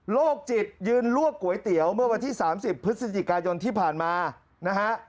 โรคจิตยืนลวกก๋วยเตี๋ยวเมื่อวันที่๓๐พฤศจิกายนที่ผ่านมานะฮะ